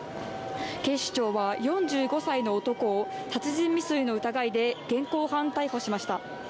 警視庁は、４５歳の男を殺人未遂の疑いで現行犯逮捕しました。